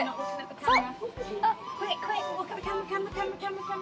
そう！